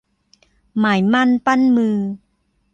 หมายมั่นปั้นมือ